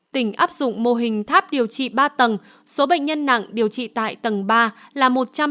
tỉnh áp dụng mô hình tháp điều trị ba tầng số bệnh nhân nặng điều trị tại tầng ba là một trăm năm mươi chín